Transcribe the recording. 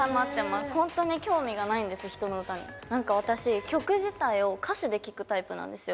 本当に何か私曲自体を歌詞で聴くタイプなんですよ